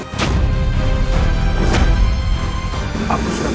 kamu adalah anak siliwang